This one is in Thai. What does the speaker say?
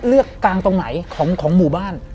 กลางตรงไหนของหมู่บ้าน